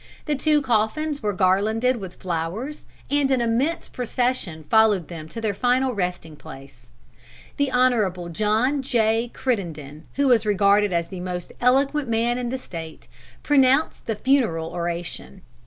The two coffins were garlanded with flowers, and an immense procession followed them to their final resting place. The Hon. John J. Crittenden, who was regarded as the most eloquent man in the State, pronounced the funeral oration.